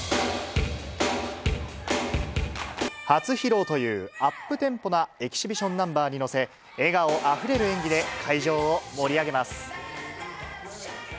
初披露というアップテンポなエキシビションナンバーに乗せ、笑顔あふれる演技で会場を盛り上げます。